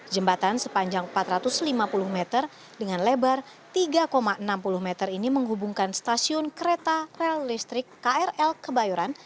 jembatan sepanjang empat ratus lima puluh meter dengan lebar tiga enam puluh meter ini menghubungkan stasiun kereta rel listrik krl kebayoran